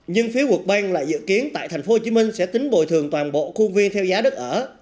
nhưng phía world bank lại dự kiến tại thành phố hồ chí minh sẽ tính bồi thường toàn bộ khu viên theo giá đất ở